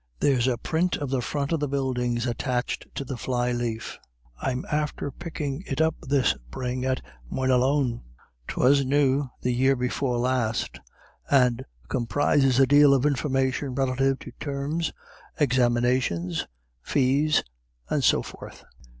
There's a print of the Front of the Buildings attached to the fly leaf. I'm after pickin' it up this spring at Moynalone. 'Twas new the year before last, and comprises a dale of information relative to terms, examinations, fees, and so forth."